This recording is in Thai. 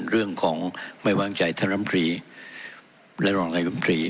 เรื่องของไม่วางใจท่านรัมภีร์รายละรองรายละรัมภีร์